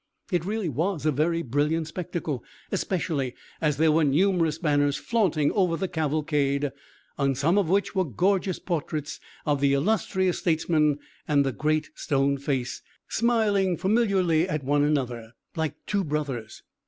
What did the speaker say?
It really was a very brilliant spectacle, especially as there were numerous banners flaunting over the cavalcade, on some of which were gorgeous portraits of the illustrious statesman and the Great Stone Face, smiling familiarly at one another, like two brothers.